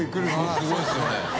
すごいですよね。